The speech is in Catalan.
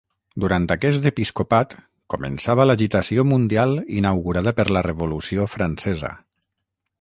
Durant aquest episcopat començava l'agitació mundial inaugurada per la Revolució Francesa.